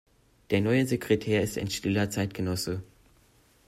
Der neue Sekretär ist ein stiller Zeitgenosse.